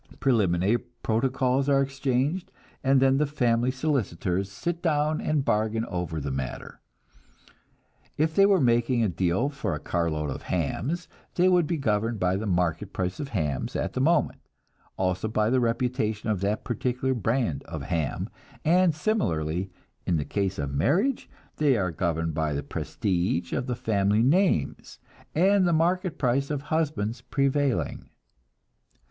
Preliminary protocols are exchanged, and then the family solicitors sit down and bargain over the matter. If they were making a deal for a carload of hams, they would be governed by the market price of hams at the moment, also by the reputation of that particular brand of ham; and similarly, in the case of marriage, they are governed by the prestige of the family names, and the market price of husbands prevailing.